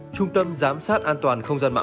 trung tâm giám sát an toàn không gian mạng